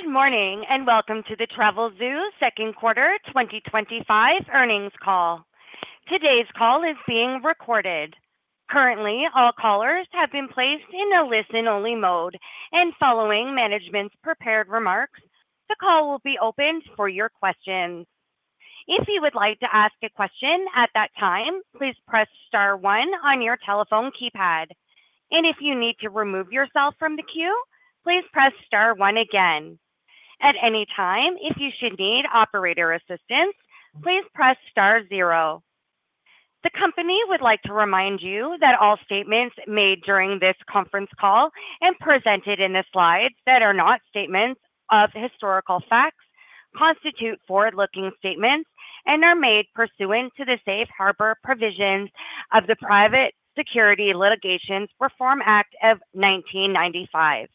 Good morning and welcome to the Travelzoo second quarter 2025 earnings call. Today's call is being recorded. Currently, all callers have been placed in a listen-only mode, and following management's prepared remarks, the call will be open for your questions. If you would like to ask a question at that time, please press star one on your telephone keypad. If you need to remove yourself from the queue, please press star one again. At any time, if you should need operator assistance, please press star zero. The company would like to remind you that all statements made during this conference call and presented in the slides that are not statements of historical facts constitute forward-looking statements and are made pursuant to the safe harbor provisions of the Private Securities Litigation Reform Act of 1995.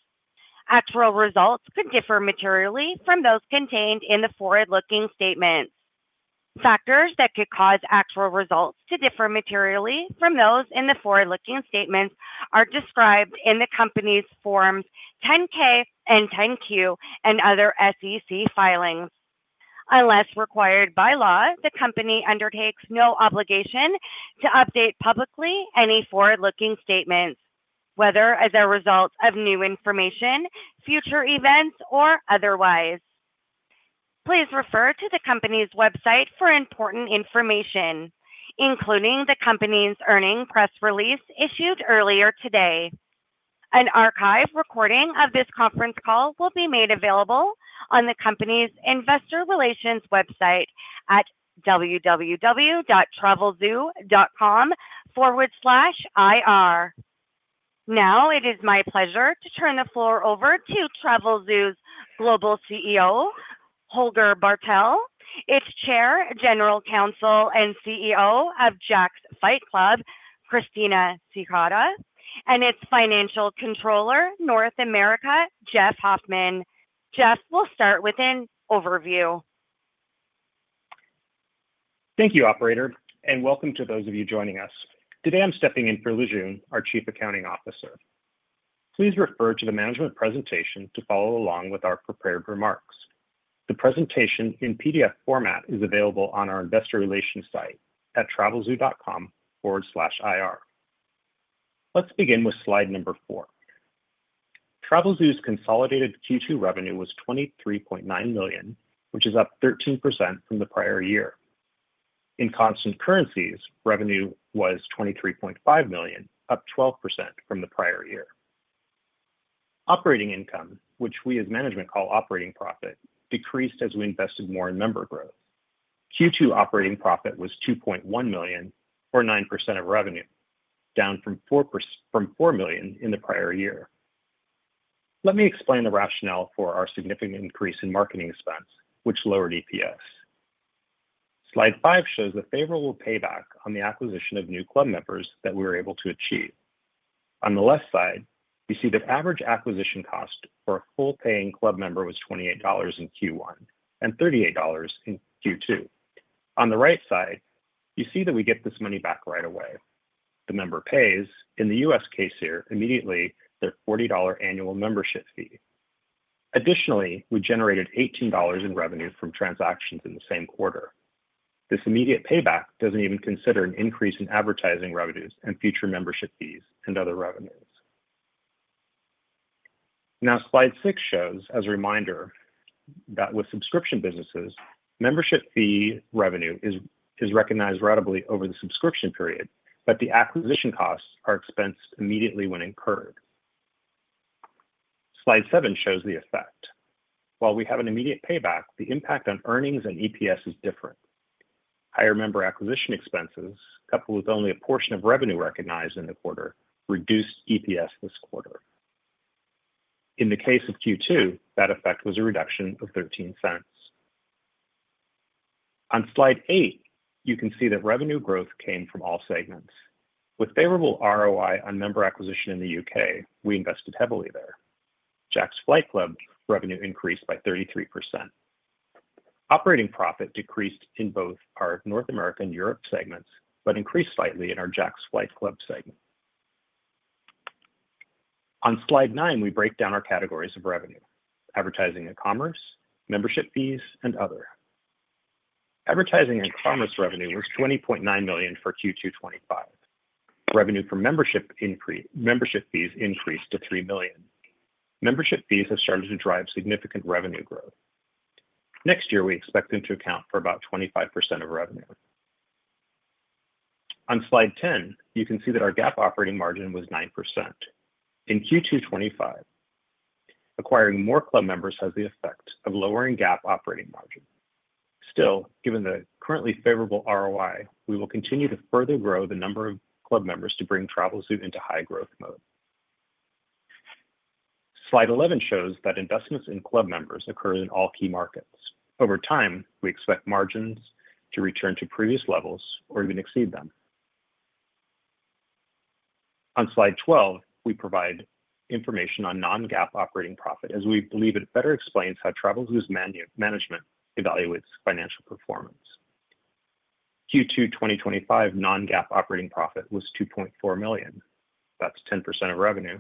Actual results could differ materially from those contained in the forward-looking statements. Factors that could cause actual results to differ materially from those in the forward-looking statements are described in the company's Forms 10-K and 10-Q and other SEC filings. Unless required by law, the company undertakes no obligation to update publicly any forward-looking statements, whether as a result of new information, future events, or otherwise. Please refer to the company's website for important information, including the company's earnings press release issued earlier today. An archived recording of this conference call will be made available on the company's investor relations website at www.travelzoo.com/ir. Now it is my pleasure to turn the floor over to Travelzoo's Global CEO, Holger Bartel, its Chair, General Counsel, and CEO of Jack's Flight Club, Christina Ciocca, and its Financial Controller, North America, Jeff Hoffman. Jeff, we'll start with an overview. Thank you, operator, and welcome to those of you joining us. Today, I'm stepping in for Lijun, our Chief Accounting Officer. Please refer to the management presentation to follow along with our prepared remarks. The presentation in PDF format is available on our investor relations site at travelzoo.com/ir. Let's begin with slide number four. Travelzoo's consolidated Q2 revenue was $23.9 million, which is up 13% from the prior year. In constant currencies, revenue was $23.5 million, up 12% from the prior year. Operating income, which we as management call operating profit, decreased as we invested more in member growth. Q2 operating profit was $2.1 million, or 9% of revenue, down from $4 million in the prior year. Let me explain the rationale for our significant increase in marketing expense, which lowered EPS. Slide five shows a favorable payback on the acquisition of new club members that we were able to achieve. On the left side, you see that average acquisition cost for a full-paying club member was $28 in Q1 and $38 in Q2. On the right side, you see that we get this money back right away. The member pays, in the U.S. case here, immediately their $40 annual membership fee. Additionally, we generated $18 in revenue from transactions in the same quarter. This immediate payback doesn't even consider an increase in advertising revenues and future membership fees and other revenues. Now, slide six shows, as a reminder, that with subscription businesses, membership fee revenue is recognized relatively over the subscription period, but the acquisition costs are expensed immediately when incurred. Slide seven shows the effect. While we have an immediate payback, the impact on earnings and EPS is different. Higher member acquisition expenses, coupled with only a portion of revenue recognized in the quarter, reduced EPS this quarter. In the case of Q2, that effect was a reduction of $0.13. On slide eight, you can see that revenue growth came from all segments. With favorable ROI on member acquisition in the UK, we invested heavily there. Jack's Flight Club revenue increased by 33%. Operating profit decreased in both our North America and Europe segments, but increased slightly in our Jack's Flight Club segment. On slide nine, we break down our categories of revenue: advertising and commerce, membership fees, and other. Advertising and commerce revenue was $20.9 million for Q2 2025. Revenue from membership fees increased to $3 million. Membership fees have started to drive significant revenue growth. Next year, we expect them to account for about 25% of revenue. On slide 10, you can see that our GAAP operating margin was 9%. In Q2 2025, acquiring more club members has the effect of lowering GAAP operating margin. Still, given the currently favorable ROI, we will continue to further grow the number of club members to bring Travelzoo into high growth mode. Slide 11 shows that investments in club members occur in all key markets. Over time, we expect margins to return to previous levels or even exceed them. On slide 12, we provide information on non-GAAP operating profit, as we believe it better explains how Travelzoo's management evaluates financial performance. Q2 2025 non-GAAP operating profit was $2.4 million. That's 10% of revenue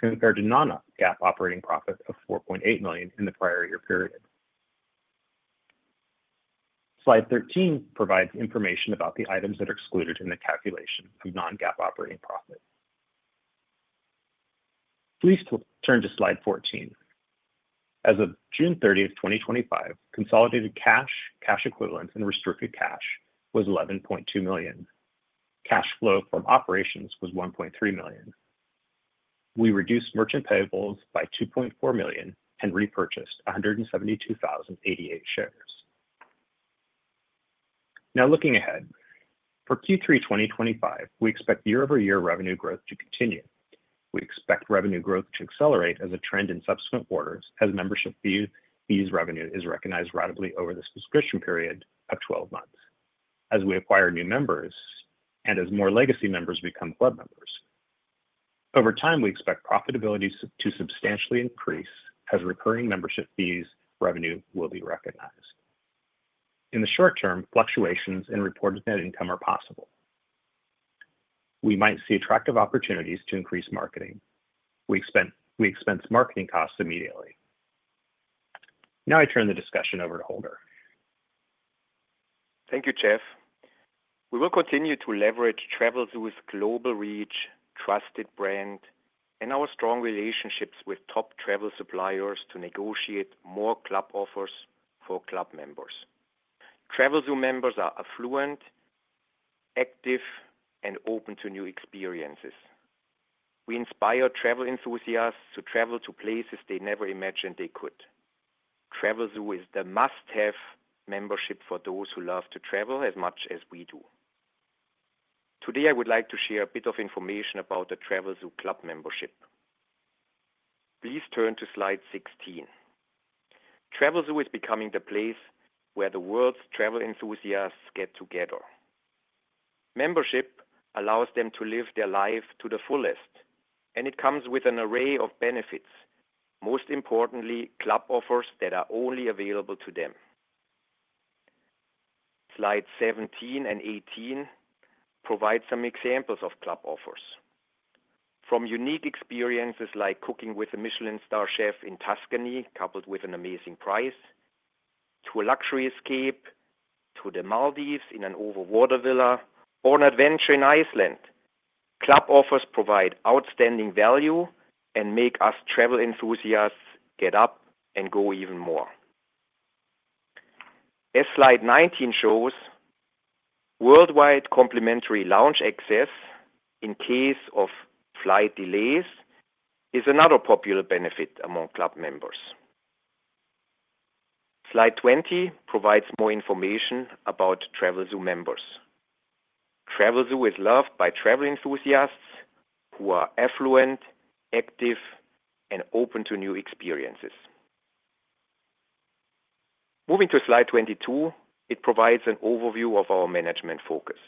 compared to non-GAAP operating profit of $4.8 million in the prior year period. Slide 13 provides information about the items that are excluded in the calculation of non-GAAP operating profit. Please turn to slide 14. As of June 30, 2025, consolidated cash, cash equivalent, and restricted cash was $11.2 million. Cash flow from operations was $1.3 million. We reduced merchant payables by $2.4 million and repurchased 172,088 shares. Now, looking ahead, for Q3 2025, we expect year-over-year revenue growth to continue. We expect revenue growth to accelerate as a trend in subsequent quarters, as membership fees revenue is recognized relatively over the subscription period of 12 months, as we acquire new members and as more legacy members become club members. Over time, we expect profitability to substantially increase as recurring membership fees revenue will be recognized. In the short term, fluctuations in reported net income are possible. We might see attractive opportunities to increase marketing. We expense marketing costs immediately. Now I turn the discussion over to Holger. Thank you, Jeff. We will continue to leverage Travelzoo's global reach, trusted brand, and our strong relationships with top travel suppliers to negotiate more club offers for club members. Travelzoo members are affluent, active, and open to new experiences. We inspire travel enthusiasts to travel to places they never imagined they could. Travelzoo is the must-have membership for those who love to travel as much as we do. Today, I would like to share a bit of information about the Travelzoo club membership. Please turn to slide 16. Travelzoo is becoming the place where the world's travel enthusiasts get together. Membership allows them to live their life to the fullest, and it comes with an array of benefits, most importantly, club offers that are only available to them. Slides 17 and 18 provide some examples of club offers. From unique experiences like cooking with a Michelin star chef in Tuscany, coupled with an amazing price, to a luxury escape to the Maldives in an overwater villa, or an adventure in Iceland, club offers provide outstanding value and make us travel enthusiasts get up and go even more. As slide 19 shows, worldwide complimentary lounge access in case of flight delays is another popular benefit among club members. Slide 20 provides more information about Travelzoo members. Travelzoo is loved by travel enthusiasts who are affluent, active, and open to new experiences. Moving to slide 22, it provides an overview of our management focus.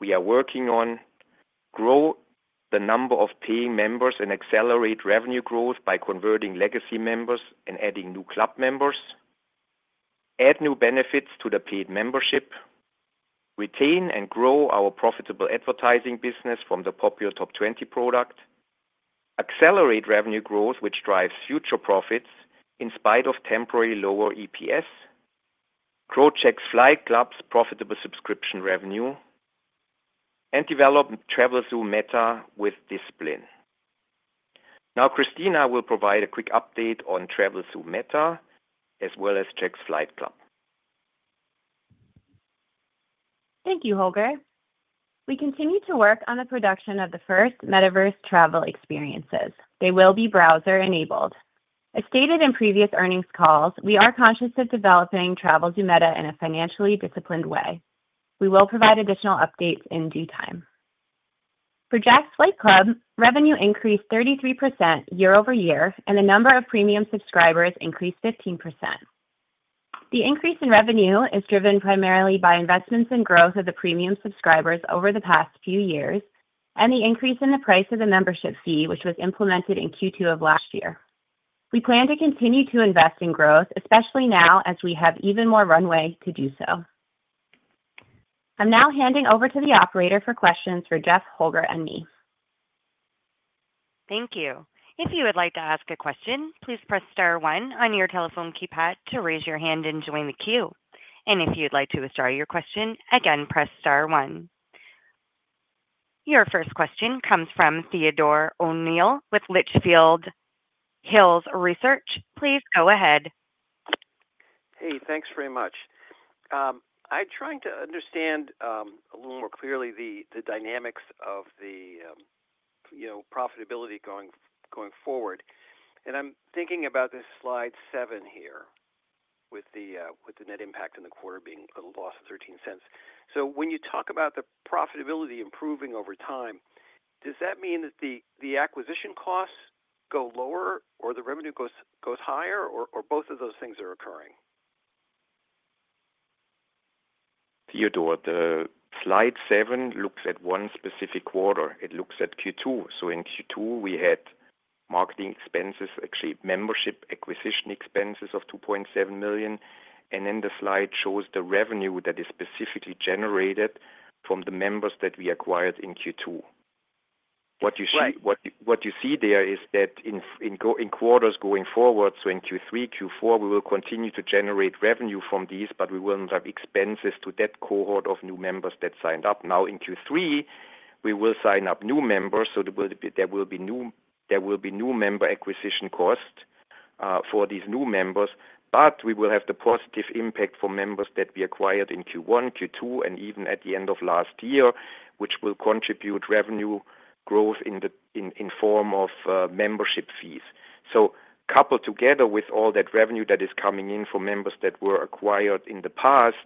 We are working on growing the number of paying members and accelerating revenue growth by converting legacy members and adding new club members, adding new benefits to the paid membership, retaining and growing our profitable advertising business from the popular Top 20 product, accelerating revenue growth, which drives future profits in spite of temporary lower EPS, growing Jack's Flight Club's profitable subscription revenue, and developing Travelzoo Meta with discipline. Now, Christina will provide a quick update on Travelzoo Meta as well as Jack's Flight Club. Thank you, Holger. We continue to work on the production of the first metaverse travel experiences. They will be browser-enabled. As stated in previous earnings calls, we are conscious of developing Travelzoo Meta in a financially disciplined way. We will provide additional updates in due time. For Jack's Flight Club, revenue increased 33% year-over-year, and the number of premium subscribers increased 15%. The increase in revenue is driven primarily by investments in growth of the premium subscribers over the past few years and the increase in the price of the membership fee, which was implemented in Q2 of last year. We plan to continue to invest in growth, especially now as we have even more runway to do so. I'm now handing over to the operator for questions for Jeff, Holger, and me. Thank you. If you would like to ask a question, please press star one on your telephone keypad to raise your hand and join the queue. If you'd like to withdraw your question, again, press star one. Your first question comes from Theodore O'Neill with Litchfield Hills Research. Please go ahead. Hey, thanks very much. I'm trying to understand a little more clearly the dynamics of the profitability going forward. I'm thinking about this slide seven here with the net impact in the quarter being a little lost at $0.13. When you talk about the profitability improving over time, does that mean that the acquisition costs go lower or the revenue goes higher or both of those things are occurring? Theodore, the slide seven looks at one specific quarter. It looks at Q2. In Q2, we had marketing expenses, actually member acquisition expenses of $2.7 million. The slide shows the revenue that is specifically generated from the members that we acquired in Q2. What you see there is that in quarters going forward, in Q3 and Q4, we will continue to generate revenue from these, but we will not have expenses to that cohort of new members that signed up. In Q3, we will sign up new members, so there will be new member acquisition costs for these new members, but we will have the positive impact for members that we acquired in Q1, Q2, and even at the end of last year, which will contribute revenue growth in the form of membership fees. Coupled together with all that revenue that is coming in for members that were acquired in the past,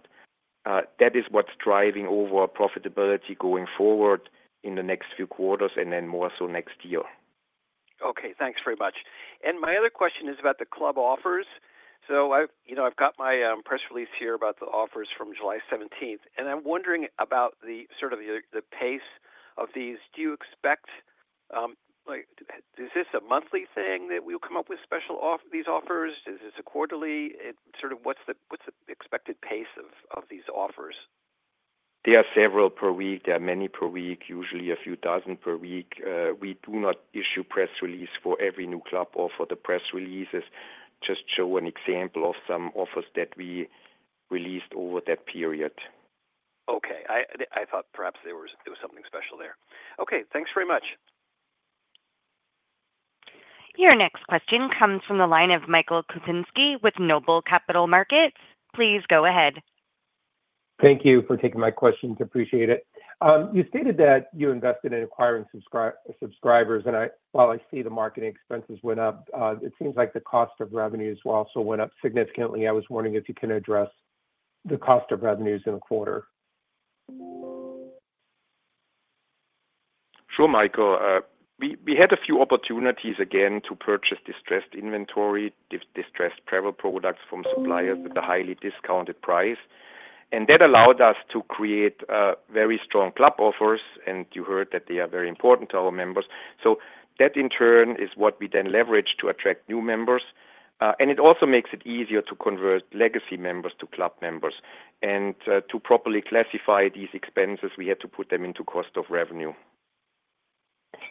that is what's driving overall profitability going forward in the next few quarters and then more so next year. Okay, thanks very much. My other question is about the club offers. I've got my press release here about the offers from July 17. I'm wondering about the sort of the pace of these. Do you expect, like, is this a monthly thing that we'll come up with special offers? Is this a quarterly? What's the expected pace of these offers? There are several per week. There are many per week, usually a few dozen per week. We do not issue press releases for every new club offer. The press releases just show an example of some offers that we released over that period. Okay, I thought perhaps there was something special there. Okay, thanks very much. Your next question comes from the line of Michael Kupinski with Noble Capital Markets. Please go ahead. Thank you for taking my questions. I appreciate it. You stated that you invested in acquiring subscribers, and while I see the marketing expenses went up, it seems like the cost of revenue also went up significantly. I was wondering if you can address the cost of revenue in a quarter. Sure, Michael. We had a few opportunities again to purchase distressed inventory, distressed travel products from suppliers with a highly discounted price. That allowed us to create very strong club offers, and you heard that they are very important to our members. That in turn is what we then leverage to attract new members. It also makes it easier to convert legacy members to club members. To properly classify these expenses, we had to put them into cost of revenue.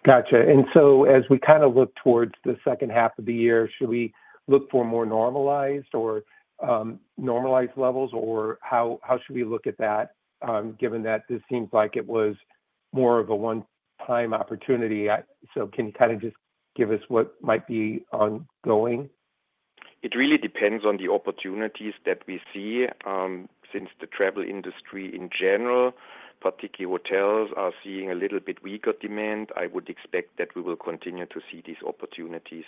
Gotcha. As we kind of look towards the second half of the year, should we look for more normalized or normalized levels, or how should we look at that given that this seems like it was more of a one-time opportunity? Can you kind of just give us what might be ongoing? It really depends on the opportunities that we see. Since the travel industry in general, particularly hotels, are seeing a little bit weaker demand, I would expect that we will continue to see these opportunities.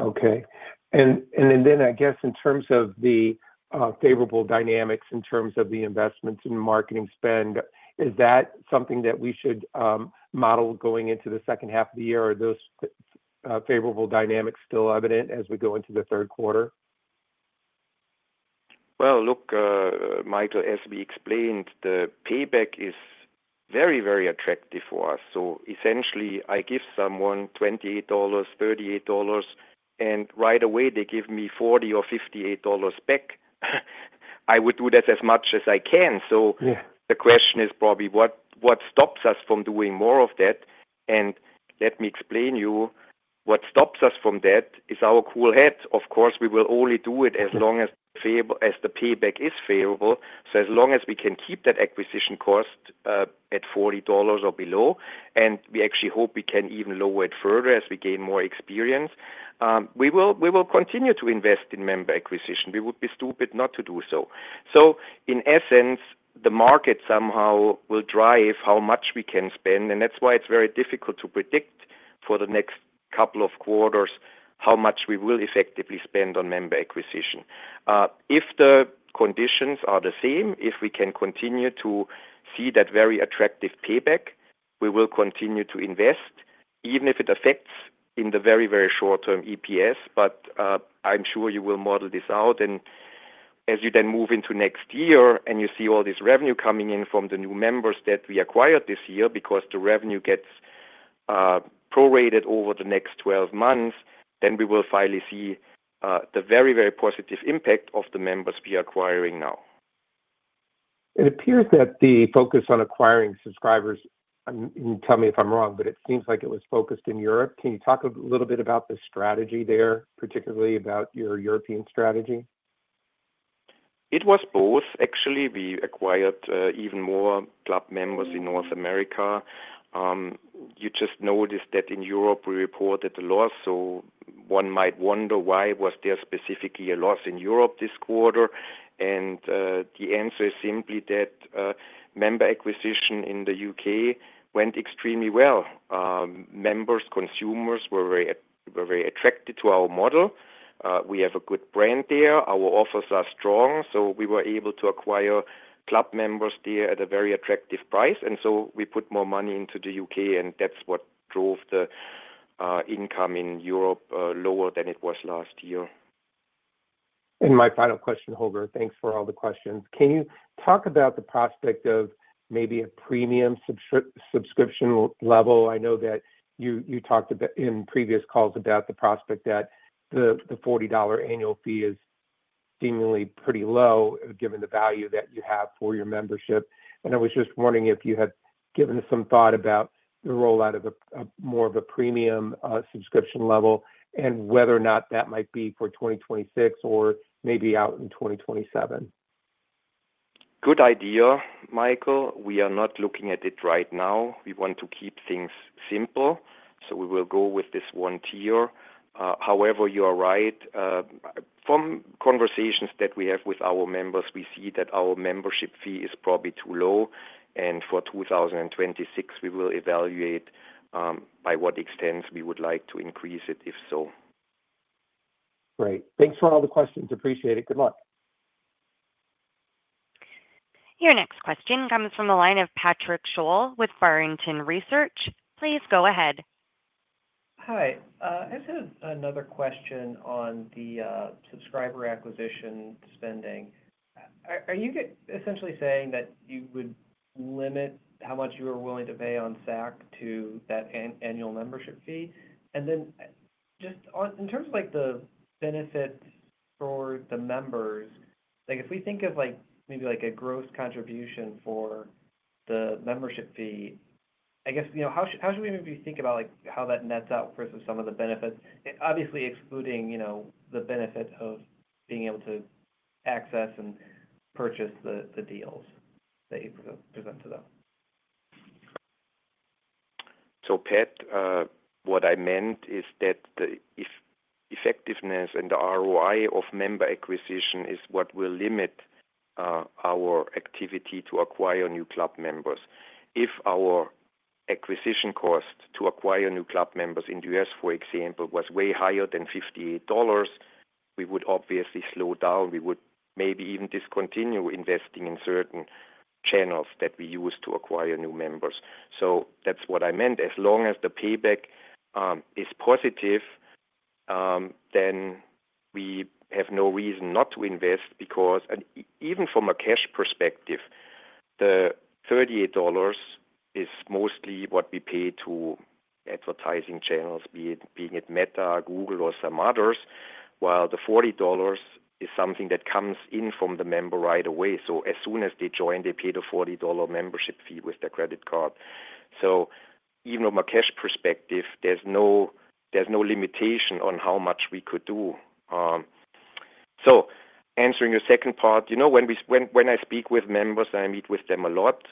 Okay. In terms of the favorable dynamics, in terms of the investments in marketing spend, is that something that we should model going into the second half of the year? Are those favorable dynamics still evident as we go into the third quarter? Michael, as we explained, the payback is very, very attractive for us. Essentially, I give someone $28, $38, and right away they give me $40 or $58 back. I would do that as much as I can. The question is probably what stops us from doing more of that. Let me explain to you, what stops us from that is our cool hats. Of course, we will only do it as long as the payback is favorable. As long as we can keep that acquisition cost at $40 or below, and we actually hope we can even lower it further as we gain more experience, we will continue to invest in member acquisition. We would be stupid not to do so. In essence, the market somehow will drive how much we can spend, and that's why it's very difficult to predict for the next couple of quarters how much we will effectively spend on member acquisition. If the conditions are the same, if we can continue to see that very attractive payback, we will continue to invest, even if it affects in the very, very short term EPS. I'm sure you will model this out. As you then move into next year and you see all this revenue coming in from the new members that we acquired this year because the revenue gets prorated over the next 12 months, we will finally see the very, very positive impact of the members we are acquiring now. It appears that the focus on acquiring subscribers, and you tell me if I'm wrong, but it seems like it was focused in Europe. Can you talk a little bit about the strategy there, particularly about your European strategy? It was both. Actually, we acquired even more club members in North America. You just noticed that in Europe we reported a loss, so one might wonder why was there specifically a loss in Europe this quarter? The answer is simply that member acquisition in the UK went extremely well. Members, consumers were very attracted to our model. We have a good brand there. Our offers are strong, so we were able to acquire club members there at a very attractive price. We put more money into the UK, and that's what drove the income in Europe lower than it was last year. My final question, Holger, thanks for all the questions. Can you talk about the prospect of maybe a premium subscription level? I know that you talked in previous calls about the prospect that the $40 annual fee is seemingly pretty low given the value that you have for your membership. I was just wondering if you had given some thought about the rollout of more of a premium subscription level and whether or not that might be for 2026 or maybe out in 2027. Good idea, Michael. We are not looking at it right now. We want to keep things simple, so we will go with this one tier. However, you are right. From conversations that we have with our members, we see that our membership fee is probably too low. For 2026, we will evaluate by what extent we would like to increase it if so. Great. Thanks for all the questions. Appreciate it. Good luck. Your next question comes from the line of Patrick Scholl with Barrington Research. Please go ahead. Hi. I just have another question on the subscriber acquisition spending. Are you essentially saying that you would limit how much you are willing to pay on acquisition costs to that annual membership fee? In terms of the benefits for the members, if we think of maybe a gross contribution for the membership fee, how should we maybe think about how that nets out versus some of the benefits, obviously excluding the benefit of being able to access and purchase the deals that you present to them? Pat, what I meant is that the effectiveness and the ROI of member acquisition is what will limit our activity to acquire new club members. If our acquisition cost to acquire new club members in the U.S., for example, was way higher than $50, we would obviously slow down. We would maybe even discontinue investing in certain channels that we use to acquire new members. That is what I meant. As long as the payback is positive, then we have no reason not to invest because, and even from a cash perspective, the $38 is mostly what we pay to advertising channels, being it Meta, Google, or some others, while the $40 is something that comes in from the member right away. As soon as they join, they pay the $40 membership fee with their credit card. Even from a cash perspective, there is no limitation on how much we could do. Answering your second part, when I speak with members, I meet with them a lot.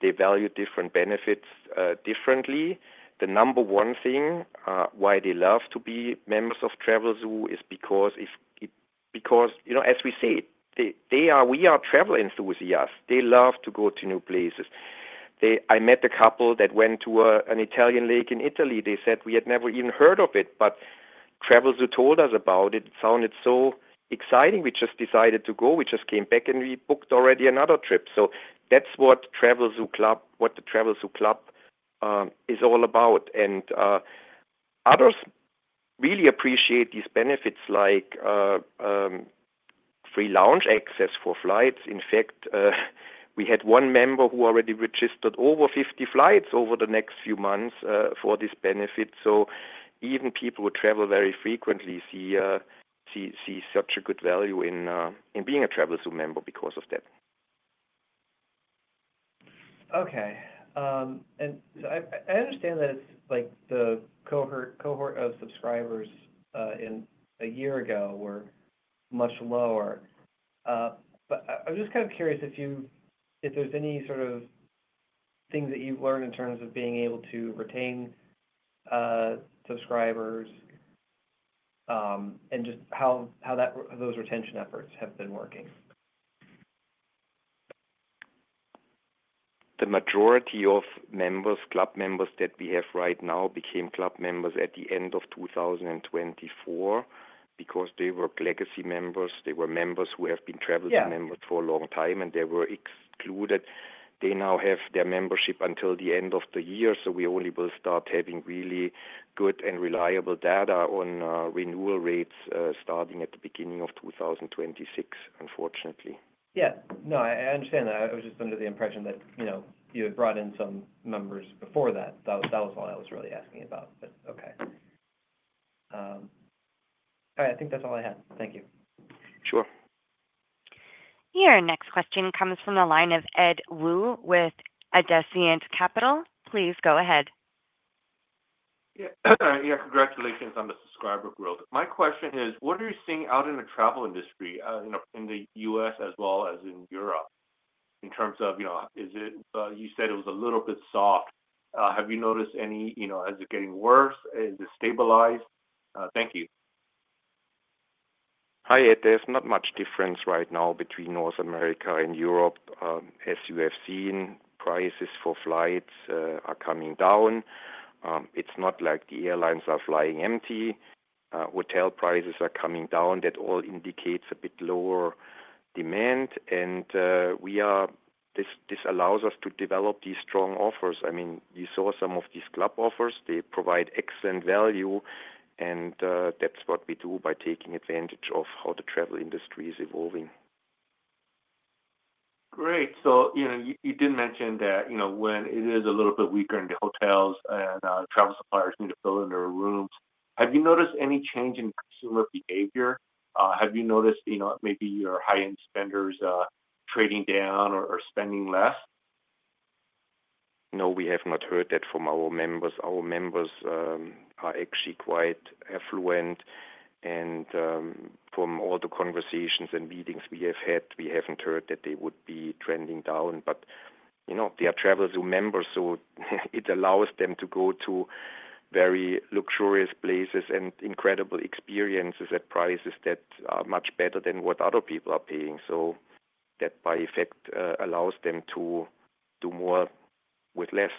They value different benefits differently. The number one thing why they love to be members of Travelzoo is because, as we say, they are, we are travel enthusiasts. They love to go to new places. I met a couple that went to an Italian lake in Italy. They said we had never even heard of it, but Travelzoo told us about it. It sounded so exciting. We just decided to go. We just came back and we booked already another trip. That is what the Travelzoo Club is all about. Others really appreciate these benefits like free lounge access for flights. In fact, we had one member who already registered over 50 flights over the next few months for this benefit. Even people who travel very frequently see such a good value in being a Travelzoo member because of that. Okay. I understand that it's like the cohort of subscribers a year ago were much lower. I'm just kind of curious if there's any sort of things that you've learned in terms of being able to retain subscribers and just how those retention efforts have been working. The majority of members, club members that we have right now became club members at the end of 2024 because they were legacy members. They were members who have been Travelzoo members for a long time, and they were excluded. They now have their membership until the end of the year. We only will start having really good and reliable data on renewal rates starting at the beginning of 2026, unfortunately. Yeah, no, I understand that. I was just under the impression that you had brought in some members before that. That was all I was really asking about. All right, I think that's all I had. Thank you. Sure. Your next question comes from the line of Ed Woo with Ascendiant Capital. Please go ahead. Yeah. Hey, Holger. Congratulations on the subscriber growth. My question is, what are you seeing out in the travel industry in the U.S. as well as in Europe in terms of, you said it was a little bit soft. Have you noticed any, is it getting worse? Is it stabilized? Thank you. Hi, Ed. There's not much difference right now between North America and Europe. As you have seen, prices for flights are coming down. It's not like the airlines are flying empty. Hotel prices are coming down. That all indicates a bit lower demand. This allows us to develop these strong offers. I mean, you saw some of these club offers. They provide excellent value. That's what we do by taking advantage of how the travel industry is evolving. Great. You did mention that when it is a little bit weaker in the hotels and travel suppliers need to fill in their rooms, have you noticed any change in consumer behavior? Have you noticed maybe your high-end spenders trading down or spending less? No, we have not heard that from our members. Our members are actually quite affluent. From all the conversations and meetings we have had, we haven't heard that they would be trending down. They are Travelzoo members, so it allows them to go to very luxurious places and incredible experiences at prices that are much better than what other people are paying. That, by effect, allows them to do more with less.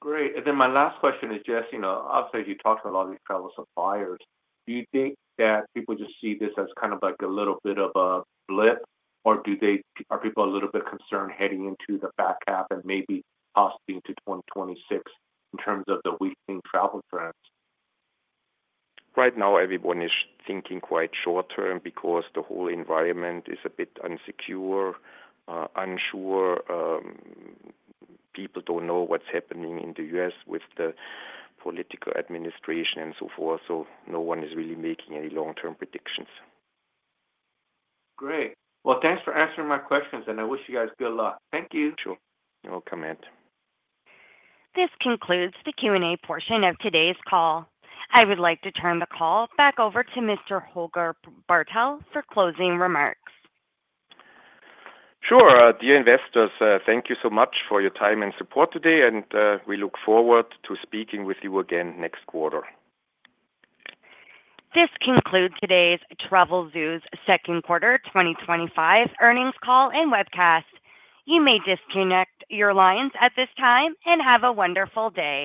Great. My last question is, as you talk to a lot of these travel suppliers, do you think that people just see this as kind of like a little bit of a blip, or are people a little bit concerned heading into the back half and maybe possibly into 2026 in terms of the weakening travel trends? Right now, everyone is thinking quite short-term because the whole environment is a bit unsecure, unsure. People don't know what's happening in the U.S. with the political administration and so forth. No one is really making any long-term predictions. Great. Thank you for answering my questions. I wish you guys good luck. Thank you. Sure. You're welcome, Ed. This concludes the Q&A portion of today's call. I would like to turn the call back over to Mr. Holger Bartel for closing remarks. Sure. Dear investors, thank you so much for your time and support today, and we look forward to speaking with you again next quarter. This concludes today's Travelzoo's second quarter 2025 earnings call and webcast. You may disconnect your lines at this time and have a wonderful day.